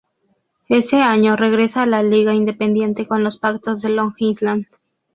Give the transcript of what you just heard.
Ese año regresa a la liga independiente con los Patos de Long Island.